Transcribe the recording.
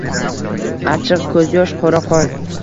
Achchiq koʻzyosh. Qora qon.